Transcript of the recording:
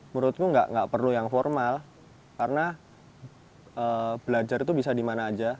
menurutku nggak perlu yang formal karena belajar itu bisa dimana aja